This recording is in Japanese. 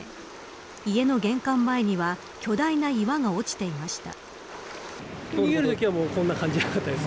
家の玄関前には巨大な岩が落ちていました。